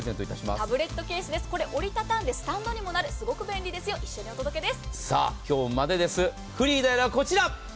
タブレットケースです、折り畳んでスタンドにもなるすごく便利ですよ、一緒にお届けです。